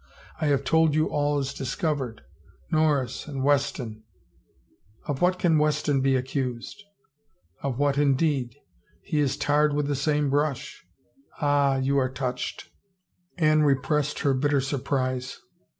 I have told you all is discovered. Norris and Weston —" "Of what can Weston be accused?" " Of what, indeed ! He is tarred with the same brush. ... Ah, you are touched !" Anne repressed her bitter surprise.